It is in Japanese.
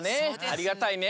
ありがたいね。